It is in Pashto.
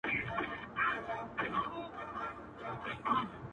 • که سړی ورخ د اوښکو وتړي هم..